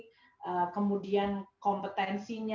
jadi kemudian kompetensi